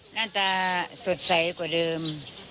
หน้าตาสดใสกว่าเดิม